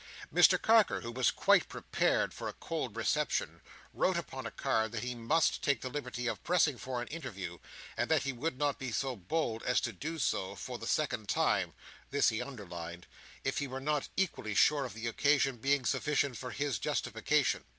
Mr Carker, who was quite prepared for a cold reception, wrote upon a card that he must take the liberty of pressing for an interview, and that he would not be so bold as to do so, for the second time (this he underlined), if he were not equally sure of the occasion being sufficient for his justification.